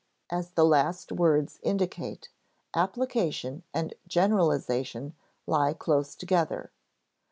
As the last words indicate, application and generalization lie close together.